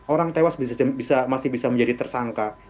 orang tewas masih bisa menjadi tersangka